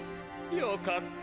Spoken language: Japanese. よかった。